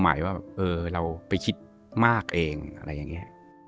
หมายว่าแบบเออเราไปคิดมากเองอะไรอย่างนี้